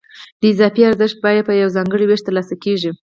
د اضافي ارزښت بیه په یو ځانګړي وېش ترلاسه کېږي